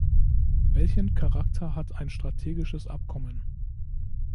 Welchen Charakter hat ein strategisches Abkommen?